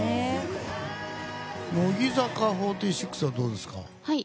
乃木坂４６はどうですか？